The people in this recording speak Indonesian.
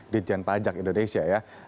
ditjen pajak indonesia ya